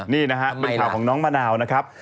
นี่นะฮะเป็นข่าวของน้องมะนาวนะครับ